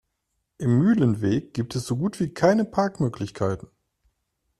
Im Mühlenweg gibt es so gut wie keine Parkmöglichkeiten.